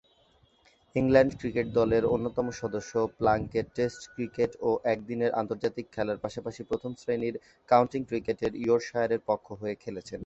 England cricket দলের অন্যতম সদস্য প্লাঙ্কেট টেস্ট ক্রিকেট ও একদিনের আন্তর্জাতিক খেলার পাশাপাশি প্রথম-শ্রেণীর কাউন্টি ক্রিকেটে ইয়র্কশায়ারের পক্ষ হয়ে খেলছেন।